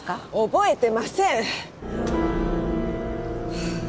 覚えてません！